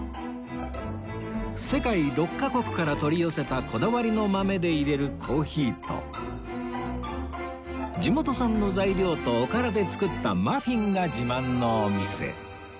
世界６カ国から取り寄せたこだわりの豆で入れるコーヒーと地元産の材料とおからで作ったマフィンが自慢のお店